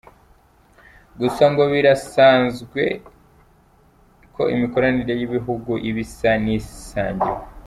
Gusa ngo birasanzwe ko imikoranire y’ibihugu iba isa n’isangiwe.